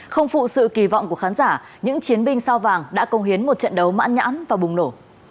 không phụ sự kỳ vọng của khán giả những chiến binh sao vàng đã công hiến một trận đấu mãn nhãn và bùng nổ